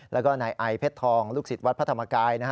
แล้วก็นายไอเพชรทองลูกศิษย์วัดพระธรรมกาย